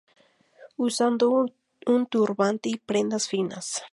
Usando un turbante y prendas finas.